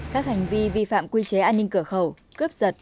các hành vi vi phạm quy chế an ninh cửa khẩu cướp giật